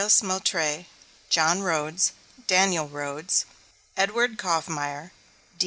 S. Moutrey, John Rhodes, Daniel Rhodes, Edward Coffemeir, D.